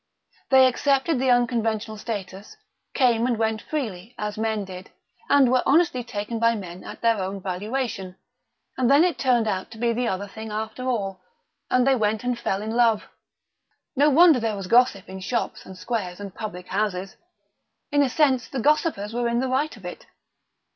They accepted the unconventional status, came and went freely, as men did, were honestly taken by men at their own valuation and then it turned out to be the other thing after all, and they went and fell in love. No wonder there was gossip in shops and squares and public houses! In a sense the gossipers were in the right of it.